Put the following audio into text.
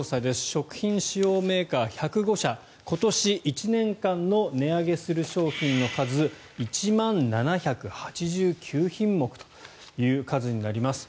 食品主要メーカー１０５社今年１年間の値上げする商品の数１万７８９品目という数になります。